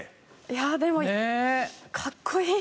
いやでも。